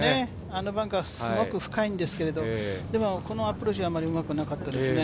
あのバンカーすごい深いんですけど、このアプローチはあまり良くなかったですね